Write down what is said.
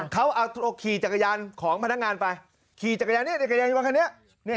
เขาเอาขี่จักรยานของพนักงานไปขี่จักรยานยนต์คันนี้